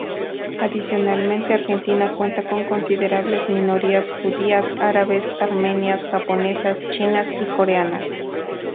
Adicionalmente Argentina cuenta con considerables minorías judías, árabes, armenias, japonesas, chinas y coreanas.